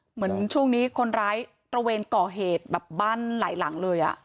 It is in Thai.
เหมือนช่วงนี้คนร้ายตระเวนก่อเหตุแบบบ้านหลายหลังเลย